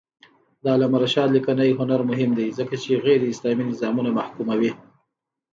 د علامه رشاد لیکنی هنر مهم دی ځکه چې غیراسلامي نظامونه محکوموي.